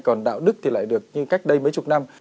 còn đạo đức thì lại được nhưng cách đây mấy chục năm